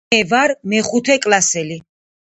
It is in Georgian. მე ვარ მეხუთე კლასში.